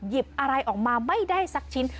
หยิบอะไรออกมาไม่ได้สักชิ้น